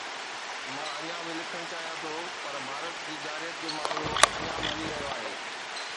مان اڃا به لکڻ چاهيان ٿو، پر ڀارت جي جارحيت جو معاملو اڃا به هلي رهيو آهي.